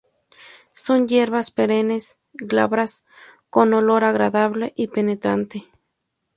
Son hierbas perennes, glabras, con olor agradable y penetrante.